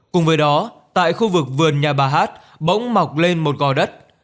cùng với đó tại khu vực vườn nhà bà hát bỗng mọc lên một gò đất